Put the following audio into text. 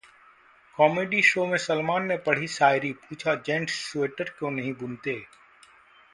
Comedy show में सलमान ने पढ़ी शायरी, पूछा- जेंट्स स्वेटर क्यों नहीं बुनते?